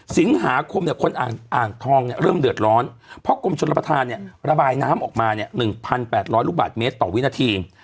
สิงหาคมเนี่ยคนอ่างทองเนี่ยเริ่มเดือดร้อนเพราะกรมชนรับประทานเนี่ยระบายน้ำออกมาเนี่ย๑๘๐๐ลูกบาทเมตรต่อวินาที